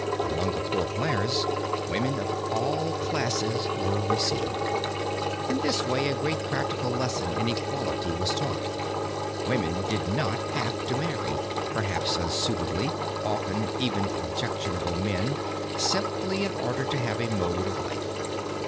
Among the Poor Clares women of all classes were received. In this way a great practical lesson in equality was taught. Women did not have to marry, perhaps unsuitable, often even objectionable men, simply in order to have a mode of life.